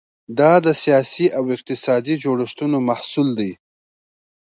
دا د سیاسي او اقتصادي جوړښتونو محصول دی.